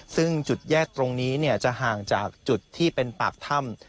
ซึ่งจุดแยกตรงนี้จะห่างจากจุดที่เป็นปากถ้ำ